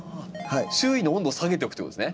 周囲の温度を下げておくということですね？